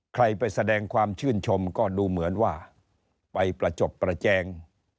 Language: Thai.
ใครไปแสดงความชื่นชมก็ดูเหมือนว่าไปประจบประแจง